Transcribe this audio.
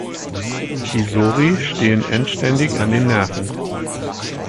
Die Sori stehen endständig an den Nerven.